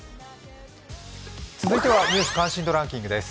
続いては「ニュース関心度ランキング」です。